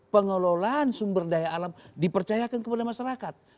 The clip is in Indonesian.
pengelolaan sumber daya alam dipercayakan kepada masyarakat